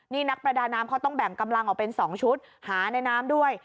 นี่นักประดาน้ำเขาต้องแบ่งกำลังออกเป็น๒ชุดหาในน้ำด้วย